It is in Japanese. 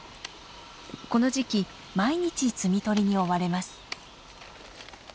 この時期毎日摘み取りに追われます。